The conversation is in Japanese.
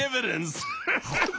ハハハハ！